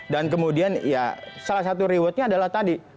dan kemudian ya salah satu rewardnya adalah tadi